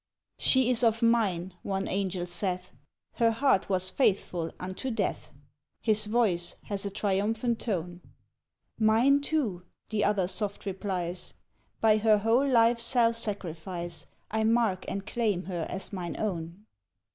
" She is of mine," one Angel saith ;" Her heart was faithful unto death," His voice has a triumphant tone. " Mine, too," the other soft replies ;" By her whole life's self sacrifice I mark and claim her as mine own."